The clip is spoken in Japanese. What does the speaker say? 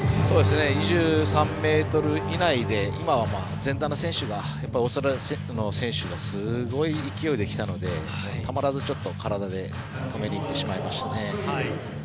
２３ｍ以内で今は前段の選手がオーストラリアの選手がすごい勢いで来たのでたまらず、体で止めにいってしまいましたね。